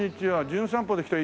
『じゅん散歩』で来た